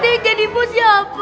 nanti jadi bos ya pak